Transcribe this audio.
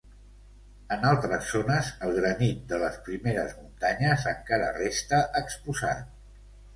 En altres zones, el granit de les primeres muntanyes encara resta exposat.